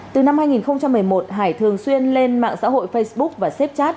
từ năm hai nghìn một mươi một hải thường xuyên lên mạng xã hội facebook và xếp chat